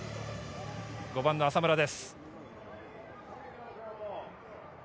５番の浅村です。